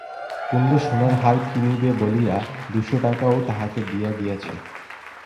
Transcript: কুন্দ সোনার হার কিনিবে বলিয়া দুশো টাকাও তাহাকে দিয়া গিয়াছে।